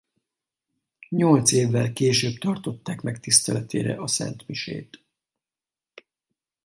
Nyolc évvel később tartották meg tiszteletére a szentmisét.